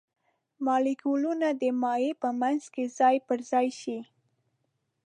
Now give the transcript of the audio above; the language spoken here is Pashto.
مالیکولونه د مایع په منځ کې ځای پر ځای شي.